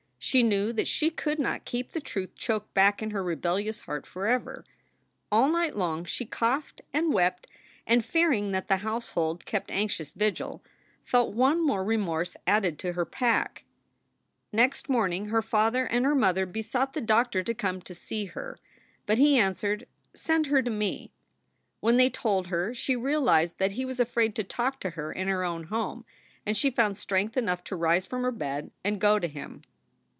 She knew that she could not keep the truth choked back in her rebellious heart forever. All night long she coughed and wept, and, fearing that the household kept anxious vigil, felt one more remorse added to her pack. SOULS FOR SALE 29 Next morning her father and her mother besought the doctor to come to see her. But he answered: "Send her tome." When they told her she realized that he was afraid to talk to her in her own home, and she found strength enough to rise from her bed and go to him.